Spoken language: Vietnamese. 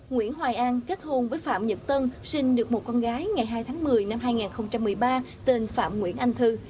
nguyễn hoài an kết hôn với phạm nhật tân sinh được một con gái ngày hai tháng một mươi năm hai nghìn một mươi ba tên phạm nguyễn anh thư